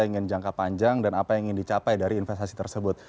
ingin jangka panjang dan apa yang ingin dicapai dari investasi tersebut